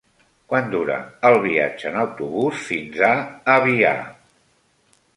Quant dura el viatge en autobús fins a Avià?